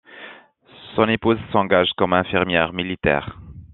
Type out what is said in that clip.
Son épouse s'engage comme infirmière militaire.